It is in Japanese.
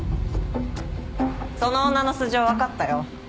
その女の素性わかったよ。